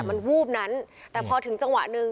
มันวูบนั้นแต่พอถึงจังหวะหนึ่ง